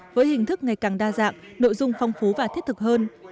với hình thức ngày càng đa dạng nội dung phong phú và thiết thực hơn